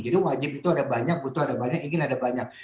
wajib itu ada banyak butuh ada banyak ingin ada banyak